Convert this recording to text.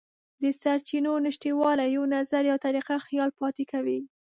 د سرچینو نشتوالی یو نظر یا طریقه خیال پاتې کوي.